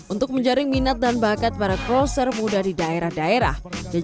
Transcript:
untuk menjaring minat dan bakat para crosser muda di daerah daerah